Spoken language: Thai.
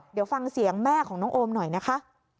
เดี๋ยวฟังเสียงแม่ของน้องโอมหน่อยนะคะ